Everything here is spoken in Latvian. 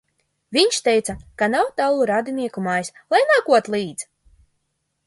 Viņš teica, ka nav tālu radinieku mājas, lai nākot līdzi!